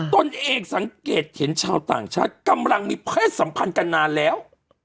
ตนเองสังเกตเห็นชาวต่างชาติกำลังมีเพศสัมพันธ์กันนานแล้ว